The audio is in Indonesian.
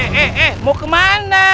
eh eh eh mau kemana